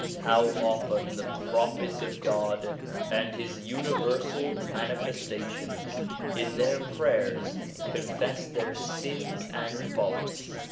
How often the Prophets of God and His universal Manifestations in their prayers confess their sins and faults